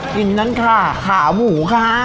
กินนั่นค่ะขาหมูค่ะ